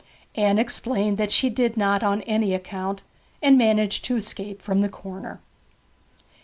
Anne explained that she did not on any account; and managed to escape from the corner.